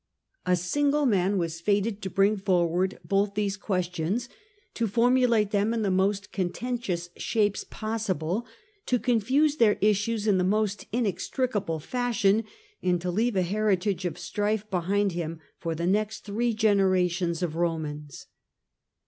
A single man was fated to bring forward both these questions, to formulate them in the most contentious shapes possible, to confuse their issues in the most inex tricable fashion, and to leave a heritage of strife behind hiixufor the next three generations of Romans.